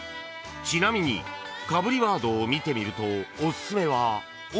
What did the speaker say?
［ちなみにかぶりワードを見てみるとお薦めは］